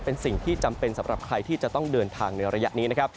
เป็นสิ่งที่จำเป็นสำหรับใครที่จะต้องเดินทางในระยะนี้นะครับ